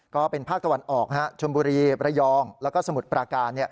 ก็เป็นภาคตะวันออกชนบุรีระยองแล้วก็สมุทรปราการ